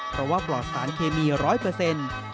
เพราะว่าปลอดสารเคมีร้อยเปอร์เซ็นต์